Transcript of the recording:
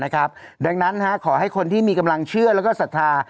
ดังนั้นขอให้คนที่มีกำลังเชื่อแล้วก็ศรัทธา